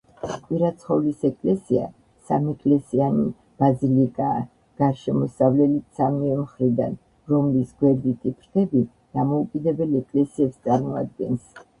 კვირაცხოვლის ეკლესია სამეკლესიიანი ბაზილიკაა, გარშემოსავლელით სამივე მხრიდან, რომლის გვერდითი ფრთები დამოუკიდებელ ეკლესიებს წარმოადგენს.